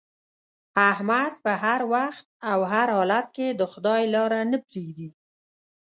احمد په هر وخت او هر حالت کې د خدای لاره نه پرېږدي.